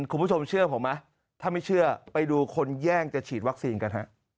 คุณผู้ชมเชื่อผมไหมถ้าไม่เชื่อไปดูคนแย่งจะฉีดวัคซีนกันฮะ